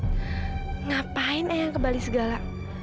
kenapa ayang ke bali segala